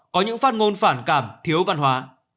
có những phát ngôn phản cảm thiếu văn hóa